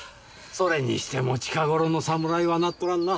それにしても近頃の侍はなっとらんな。